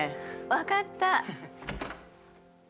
分かった。